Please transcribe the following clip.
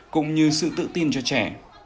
cũng như sự tự tin cho trẻ